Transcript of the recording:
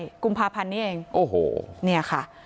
ใช่กุมภาพันธ์นี้เองโอ้โหเนี่ยค่ะ